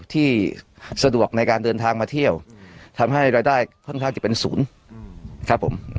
ที่สะดวกในการเดินทางมาเที่ยวทำให้รายได้ค่อนข้างจะเป็นศูนย์ครับผม